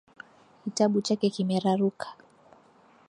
Kitabu chake kimeraruka